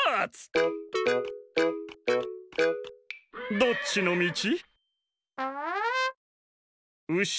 どっちのみち？